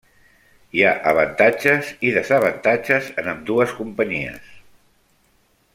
Hi ha avantatges i desavantatges en ambdues companyies.